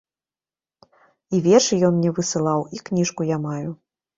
І вершы ён мне высылаў, і кніжку я маю.